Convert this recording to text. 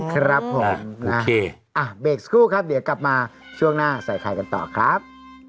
ครับผมเบรกสักครู่ครับเดี๋ยวกลับมาช่วงหน้าใส่ไข่กันต่อครับ